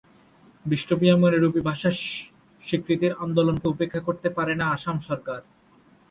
বিষ্ণুপ্রিয়া মণিপুরী ভাষা স্বীকৃতির আন্দোলনকে উপেক্ষা করতে পারেনা আসাম সরকার।